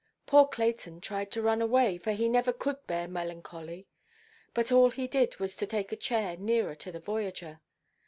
Poor Clayton tried to run away, for he never could bear melancholy; but all he did was to take a chair nearer to the voyager.